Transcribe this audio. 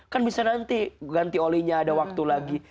kan bisa nanti ganti olinya ada waktu lagi